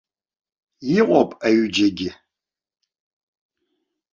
Иҟоуп аҩыџьагь.